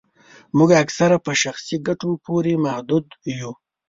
موږ اکثره په شخصي ګټو پوري محدود یو